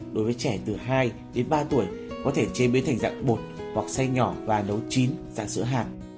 đối với trẻ từ hai đến ba tuổi có thể chế biến thành dạng bột hoặc xay nhỏ và nấu chín giá sữa hạt